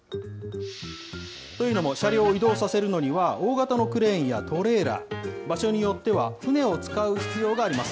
というのも、車両を移動させるのには、大型のクレーンやトレーラー、場所によっては船を使う必要があります。